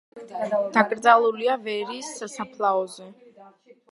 დაკრძალულია ვერის სასაფლაოზე.